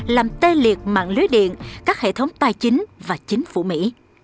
làm tê liệt mạng lưới điện các hệ thống tài chính và chính phủ mỹ